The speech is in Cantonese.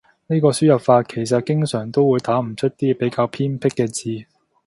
呢個輸入法其實經常都會打唔出啲比較偏僻嘅字